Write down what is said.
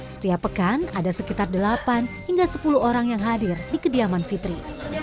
setiap pekan ada sekitar delapan hingga sepuluh orang yang hadir di kediaman fitri